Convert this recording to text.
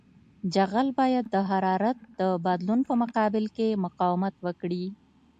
جغل باید د حرارت د بدلون په مقابل کې مقاومت وکړي